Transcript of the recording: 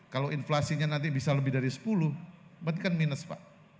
kalau inflasinya nanti bisa lebih dari sepuluh berarti kan minus pak